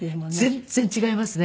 全然違いますね